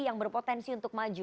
yang berpotensi untuk maju